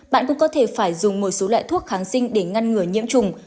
bạn cũng có thể phải dùng một số loại thuốc kháng sinh để ngăn ngừa nhiễm trùng